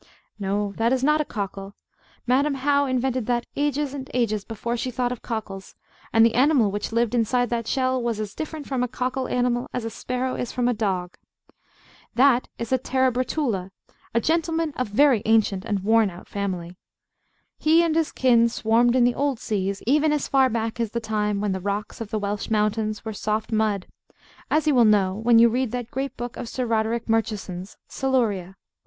No; that is no cockle. Madam How invented that ages and ages before she thought of cockles, and the animal which lived inside that shell was as different from a cockle animal as a sparrow is from a dog. That is a Terebratula, a gentleman of a very ancient and worn out family. He and his kin swarmed in the old seas, even as far back as the time when the rocks of the Welsh mountains were soft mud; as you will know when you read that great book of Sir Roderick Murchison's, Siluria.